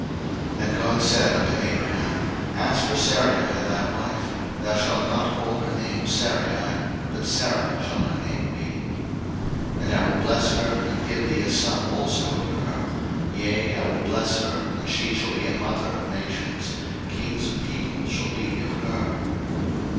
01:017:015 And God said unto Abraham, As for Sarai thy wife, thou shalt not call her name Sarai, but Sarah shall her name be. 01:017:016 And I will bless her, and give thee a son also of her: yea, I will bless her, and she shall be a mother of nations; kings of people shall be of her.